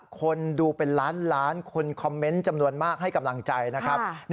คนดูเป็นล้านล้านคนคอมเมนต์จำนวนมากให้กำลังใจนะครับ